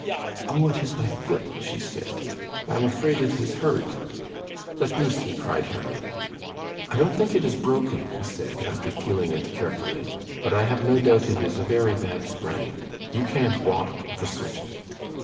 "Oh, it is my foot," she said, "I am afraid it is hurt." "Let me see!" cried Harry. "I don't think it is broken," he said, after feeling it carefully, "but I have no doubt it is a very bad sprain. You can't walk for certain."